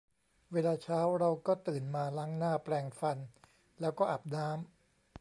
เวลาเช้าเราก็ตื่นมาล้างหน้า แปรงฟัน แล้วก็อาบน้ำ